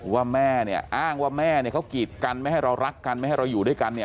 ว่าแม่เนี่ยอ้างว่าแม่เนี่ยเขากีดกันไม่ให้เรารักกันไม่ให้เราอยู่ด้วยกันเนี่ย